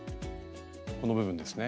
この部分ですね。